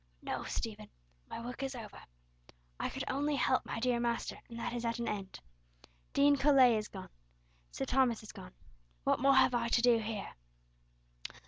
"No, Stephen, my work is over. I could only help my dear master, and that is at an end. Dean Colet is gone, Sir Thomas is gone, what more have I to do here?